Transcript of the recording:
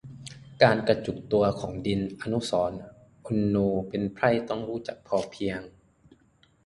การกระจุกตัวของที่ดิน อนุสรณ์ อุณโณ: เป็นไพร่ต้องรู้จักพอเพียง